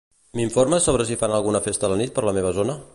M'informes sobre si fan alguna festa a la nit per la meva zona?